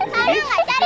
sekarang gak cariin gak